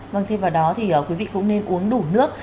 vâng thêm vào đó thì quý vị cũng nên uống đủ nước